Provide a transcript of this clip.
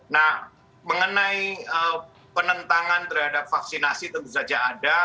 nah mengenai penentangan terhadap vaksinasi tentu saja ada